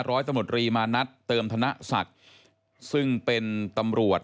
ร้อยตำรวจตรีมานัดเติมธนศัพท์